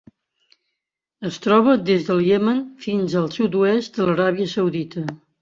Es troba des del Iemen fins al sud-oest de l'Aràbia Saudita.